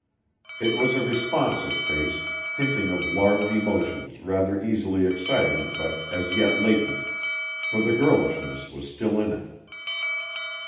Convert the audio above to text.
It was a responsive face, hinting of large emotions rather easily excited but as yet latent, for the girlishness was still in it.